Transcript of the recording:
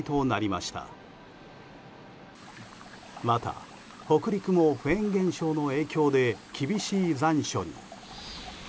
また、北陸もフェーン現象の影響で厳しい残暑に。